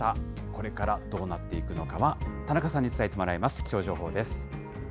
これからどうなっていくのかは田中さんに伝えてもらいます。